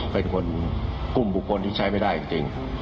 เป็นคนอุ้มบุคคลที่ใช้ไม่ได้จริง